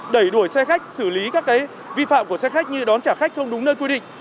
đẩy đuổi xe khách xử lý các vi phạm của xe khách như đón trả khách không đúng nơi quy định